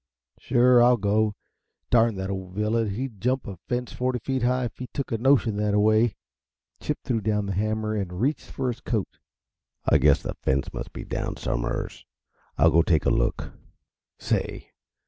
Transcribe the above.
"Sure, I'll go. Darn that old villain, he'd jump a fence forty feet high if he took a notion that way." Chip threw down the hammer and reached for his coat. "I guess the fence must be down som'ers. I'll go take a look. Say!